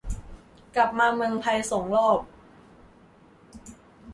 กลับมาเมืองไทยสองรอบ